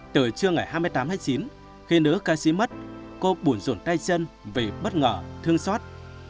từ trưa ngày hai mươi tám hai mươi chín khi nữ ca sĩ mất cô buồn ruột tay chân vì bất ngờ thương xót